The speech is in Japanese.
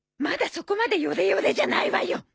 まだそこまでヨレヨレじゃないわよ！